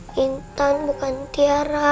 gintan bukan tiara